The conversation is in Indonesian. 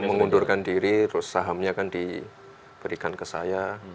mengundurkan diri terus sahamnya kan diberikan ke saya